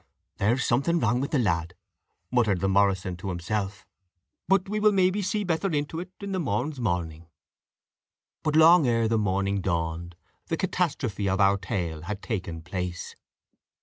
"There is something wrang with the lad," muttered the Morrison to himself; "but we will maybe see better into it the morn's morning." But long ere the morning dawned, the catastrophe of our tale had taken place.